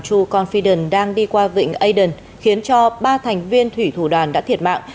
true confiden đang đi qua vịnh aden khiến cho ba thành viên thủy thủ đoàn đã thiệt mạng